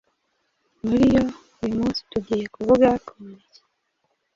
Muri yo uyu munsi tugiye kuvuga ku muneke.